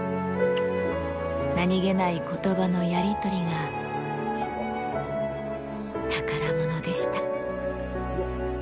何げないことばのやり取りが、宝物でした。